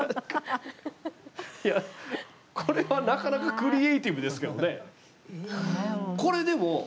いやこれはなかなかクリエーティブですけどね。